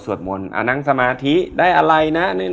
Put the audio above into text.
สวดหมดอะไร